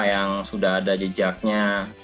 yang sudah ada jejaknya